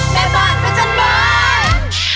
แม่บ้านพระจันทร์บ้าน